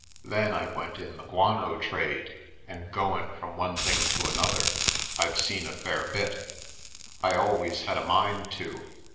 Then I went in the guano trade, and goin' from one thing to another, I've seen a fair bit. I al ways had a mind to.